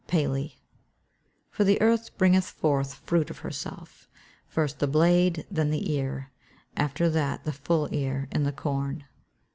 Paley. [Verse: "For the earth bringeth forth fruit of herself; first the blade, then the ear, after that the full ear in the corn."